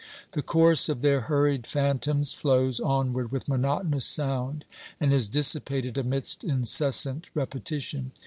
The course of their hurried phantoms flows onward with monotonous sound, and is dissipated amidst incessant repetition.